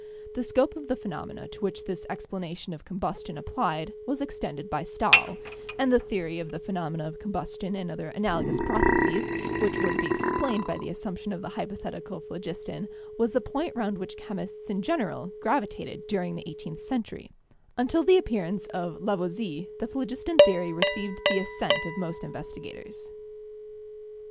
The scope of the phenomena to which this explanation of combustion applied was extended by Stahl, and the theory of the phe nomena of combustion and other analogous processes which were to be explained by the assumption of the hypo thetical phlogiston was the point round which chemists in general gravitated during the eighteenth century; until the appearance of Lavoisier the phlogiston theory received the assent of most investigators.